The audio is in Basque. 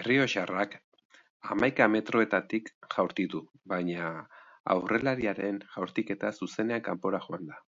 Errioxarrak hamaika metroetatik jaurti du, baina aurrelariaren jaurtiketa zuzenean kanpora joan da.